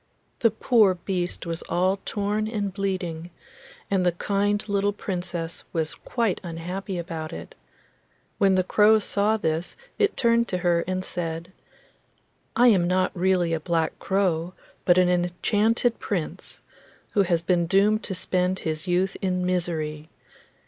The poor beast was all torn and bleeding, and the kind little Princess was quite unhappy about it. When the crow saw this it turned to her and said: 'I am not really a black crow, but an enchanted Prince, who has been doomed to spend his youth in misery.